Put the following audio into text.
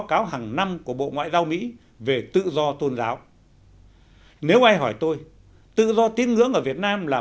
báo cáo hàng năm của bộ ngoại giao mỹ về tự do tôn giáo nếu ai hỏi tôi tự do tín ngưỡng ở việt nam là